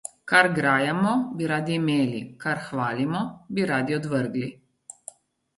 Kar grajamo, bi radi imeli, kar hvalimo, bi radi odvrgli.